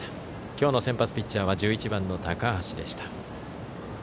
今日の先発ピッチャーは１１番の高橋でした。